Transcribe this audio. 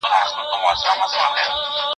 خولې اسمان ته د وړوكو د لويانو